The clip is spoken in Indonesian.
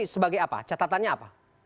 sebagai apa catatannya apa